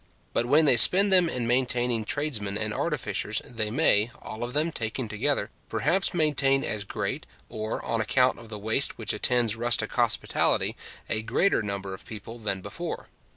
But when they spend them in maintaining tradesmen and artificers, they may, all of them taken together, perhaps maintain as great, or, on account of the waste which attends rustic hospitality, a greater number of people than before.